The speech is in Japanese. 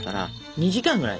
２時間ぐらい。